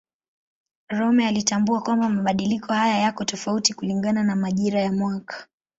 Rømer alitambua kwamba mabadiliko haya yako tofauti kulingana na majira ya mwaka.